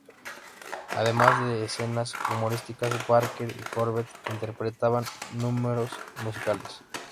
Además de escenas humorísticas, Barker y Corbett interpretaban números musicales.